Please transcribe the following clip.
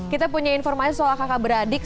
kita punya informasi soal kakak beradik